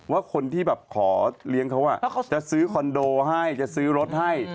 ว่าคนที่แบบขอเลี้ยงเขาจะซื้อคอนโดให้จะซื้อรถให้